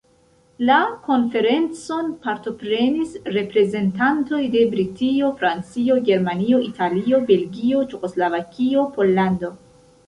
La konferencon partoprenis reprezentantoj de Britio, Francio, Germanio, Italio, Belgio, Ĉeĥoslovakio, Pollando.